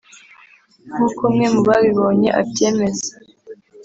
nk’uko umwe mu babibonye abyemeza